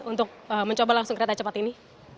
untuk mencoba langsung kereta cepat ini